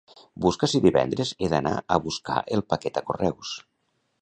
Busca si divendres he d'anar a buscar el paquet a correus.